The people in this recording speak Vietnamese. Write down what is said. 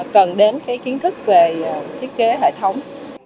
cần đến kiến thức về thiết kế hệ thống